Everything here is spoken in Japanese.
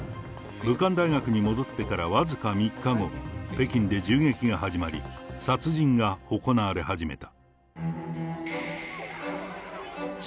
武漢大学に戻ってから僅か３日後、北京で銃撃が始まり、殺人が行われ始めた。